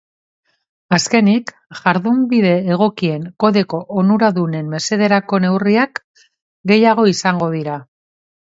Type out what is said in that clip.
Azkenik, jardunbide egokien kodeko onuradunen mesederako neurriak gehiago izango dira.